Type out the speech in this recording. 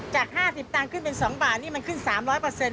จาก๕๐ตังค์ขึ้นเป็น๒บาทนี่มันขึ้น๓๐๐เปอร์เซ็นต์